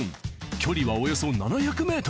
距離はおよそ７００ｍ。